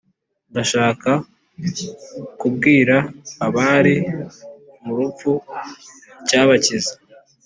Ndashaka kubwira abari murupfu icyabakiza